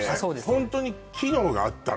ホントに機能があったの？